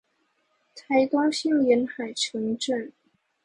臺東縣沿海城鎮